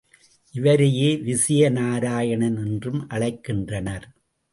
இவரையே விஜய நாராயணன் என்றும் அழைக்கின்றனர்.